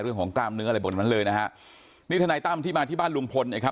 เรื่องของกล้ามเนื้ออะไรบนนั้นเลยนะฮะนี่ธนัยตั้มที่มาที่บ้านลุงพลเนี่ยครับ